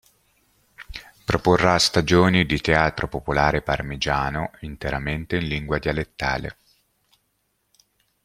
Proporrà stagioni di teatro popolare parmigiano interamente in lingua dialettale.